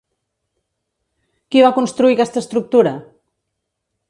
Qui va construir aquesta estructura?